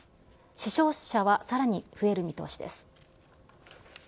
死傷者はさらに増える見通しです。